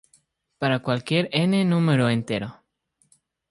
Para cualquier n número entero.